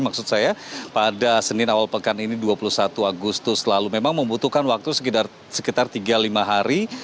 maksud saya pada senin awal pekan ini dua puluh satu agustus lalu memang membutuhkan waktu sekitar tiga lima hari